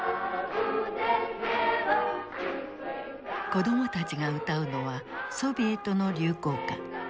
子供たちが歌うのはソビエトの流行歌。